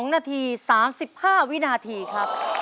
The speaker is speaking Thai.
๒นาที๓๕วินาทีครับ